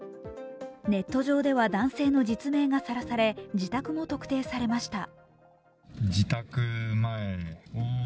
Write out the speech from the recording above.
ネット上では、男性の実名がさらされ、自宅も特定されました。